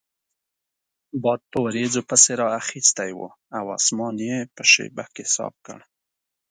باد په وریځو پسې رااخیستی وو او اسمان یې په شیبه کې صاف کړ.